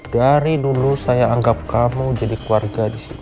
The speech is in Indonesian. dari dulu saya anggap kamu jadi keluarga disini